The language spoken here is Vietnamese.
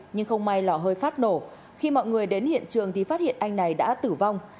nhưng không may lò hơi phát nổ khi mọi người đến hiện trường thì phát hiện anh này đã tử vong